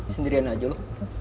sendirian aja lo